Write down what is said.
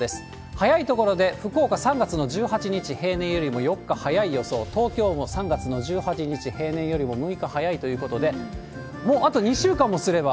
早い所で福岡、３月の１８日、平年よりも４日早い予想、東京も３月の１８日、平年よりも６日早いということで、もうあと２週間もすれば。